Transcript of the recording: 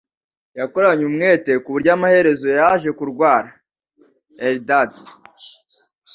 Yakoranye umwete ku buryo amaherezo yaje kurwara (Eldad)